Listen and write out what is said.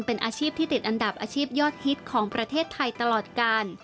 เป็นอาชีพที่ติดอันดับอาชีพยอดฮิตของประเทศไทยตลอดกาล